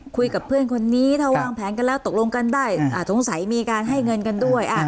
คุยกับเพื่อนคนนี้ถ้าวางแผนกันแล้วตกลงกันได้สงสัยมีการให้เงินกันด้วย